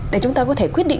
để chúng ta có thể quyết định